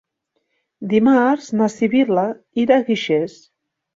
Dimarts na Sibil·la irà a Guixers.